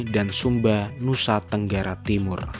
dan sumba nusa tenggara timur